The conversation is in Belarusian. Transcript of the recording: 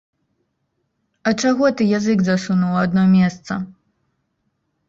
А чаго ты язык засунуў у адно месца?